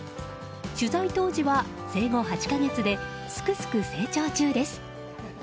取材当時は生後８か月ですくすく成長中です。